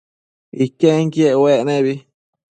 Iquenquiec uec nebi